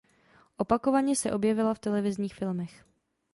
Opakovaně se objevila v televizních filmech.